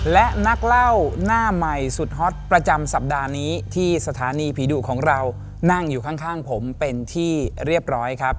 และนักเล่าหน้าใหม่สุดฮอตประจำสัปดาห์นี้ที่สถานีผีดุของเรานั่งอยู่ข้างผมเป็นที่เรียบร้อยครับ